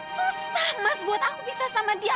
susah mas buat aku pisah sama dian